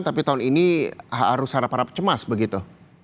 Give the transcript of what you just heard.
tapi tahun ini harus harap harap cemas begitu